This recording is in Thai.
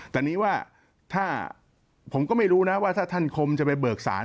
แต่นี้ว่าถ้าผมก็ไม่รู้นะว่าถ้าท่านคมจะไปเบิกศาล